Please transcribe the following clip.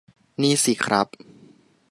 นี่สิครับ